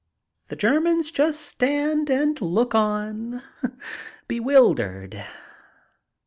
The Geimans just stand and look on, bewildered.